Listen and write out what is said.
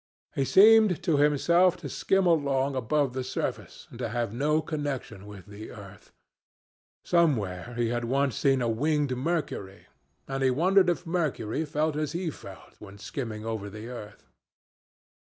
He seemed to himself to skim along above the surface and to have no connection with the earth. Somewhere he had once seen a winged Mercury, and he wondered if Mercury felt as he felt when skimming over the earth.